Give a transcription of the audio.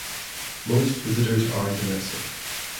Most visitors are domestic.